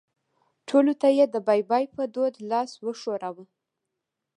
ټولو ته یې د بای بای په دود لاس وښوراوه.